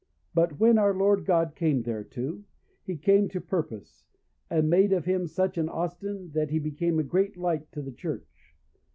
But when our Lord God came thereto, he came to purpose, and made of him such an Austin, that he became a great light to the Church.